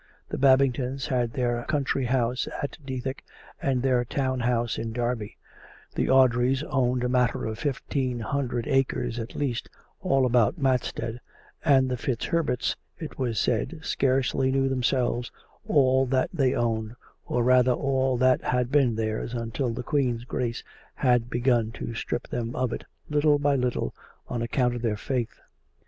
The Babingtons had their country house at Dethick and their town house in Derby ; the Audreys owned a matter of fifteen himdred acres at least all about Matstead; and the FitzHerberts, it was said, scarcely knew themselves all that they owned, or rather all that had been theirs until the Queen's Grace had begun to strip them of it little by little on account of their faith.